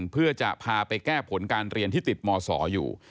เพื่อจะพาไปแก้ผลการเรียนที่ติดมศอยู่